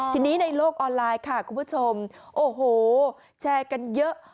ทีนี้ในโลกออนไลน์ค่ะคุณผู้ชมโอ้โหแชร์กันเยอะ